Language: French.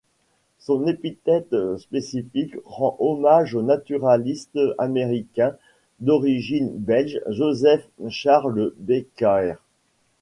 Son épithète spécifique rend hommage au naturaliste américain d'origine belge Joseph Charles Bequaert.